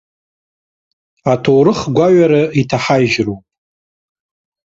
Аҭоурых гәаҩара иҭаҳажьроуп.